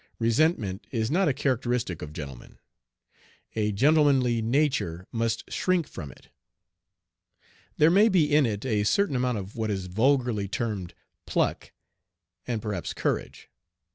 Resentment is not a characteristic of gentlemen. A gentlemanly nature must shrink from it. There may be in it a certain amount of what is vulgarly termed pluck, and perhaps courage.